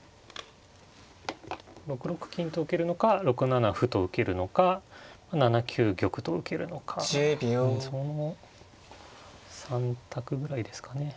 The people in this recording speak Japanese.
６六金と受けるのか６七歩と受けるのか７九玉と受けるのかその３択ぐらいですかね。